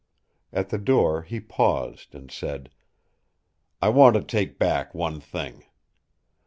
At the door he paused and said: "I want to take back one thing.